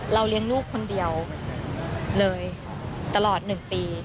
เลี้ยงลูกคนเดียวเลยตลอด๑ปี